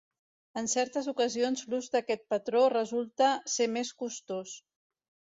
En certes ocasions l'ús d'aquest patró resulta ser més costós.